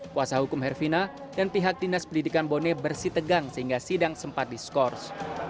kuasa hukum herfina dan pihak dinas pendidikan bone bersih tegang sehingga sidang sempat diskors